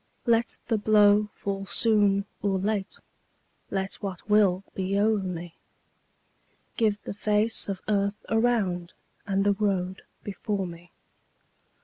Let the blow fall soon or late, Let what will be o'er me; Give the face of earth around, And the road before me.